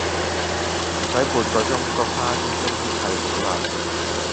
唔駛半個鐘個花樽終於砌好啦